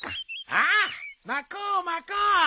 ああまこうまこう。